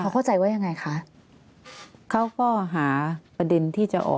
เขาเข้าใจไง